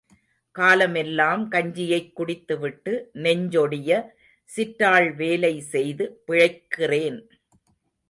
காலமெல்லாம் கஞ்சியைக் குடித்து விட்டு, நெஞ்சொடிய சிற்றாள் வேலை செய்து பிழைக்கிறேன்.